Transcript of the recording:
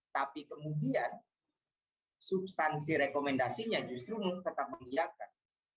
tapi kemudian substansi rekomendasinya justru tetap mengiakan